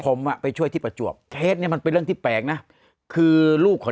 ผมไปช่วยที่ประจวบเททมันเป็นรึงที่แปลงนะคือลูกของ